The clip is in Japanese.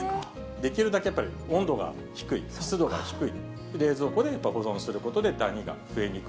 できるだけやっぱり温度が低い、湿度が低い冷蔵庫で保存することでダニが増えにくい。